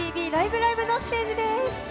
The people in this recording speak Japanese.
ライブ！」のステージです。